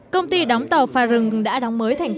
công ty đóng tàu pha rừng đã đóng mới thành công